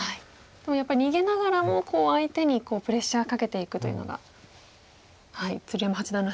でもやっぱり逃げながらも相手にプレッシャーかけていくというのが鶴山八段らしいですね。